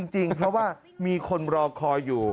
จริงเพราะว่ามีคนรอคอยอยู่